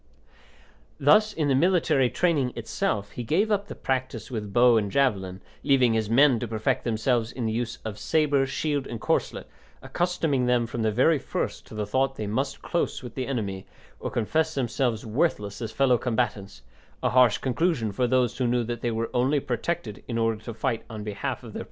Thus in the military training itself he gave up the practice with bow and javelin, leaving his men to perfect themselves in the use of sabre, shield, and corslet, accustoming them from the very first to the thought that they must close with the enemy, or confess themselves worthless as fellow combatants; a harsh conclusion for those who knew that they were only protected in order to fight on behalf of their protectors.